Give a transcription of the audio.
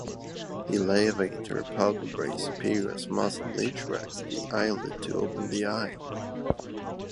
The levator palpebrae superioris muscle retracts the eyelid to "open" the eye.